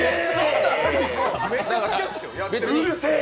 うるせえ！